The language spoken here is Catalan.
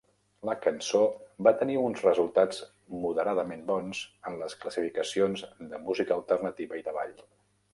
La cançó va tenir uns resultats moderadament bons en les classificacions de música alternativa i de ball.